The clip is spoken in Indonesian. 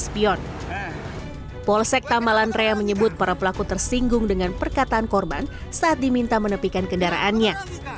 polsek tamalan raya menyebut para pelaku tersinggung dengan perkataan korban saat diminta menepikan kendaraannya